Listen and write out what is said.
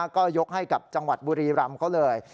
ก็ยกให้กับจังหวัดบุรีรำเขาเลย